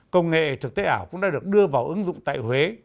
công nghệ thực tế ảo cũng đã được đưa vào ứng dụng tại huế